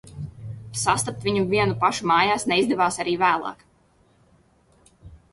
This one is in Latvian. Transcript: Sastapt viņu vienu pašu mājās neizdevās arī vēlāk.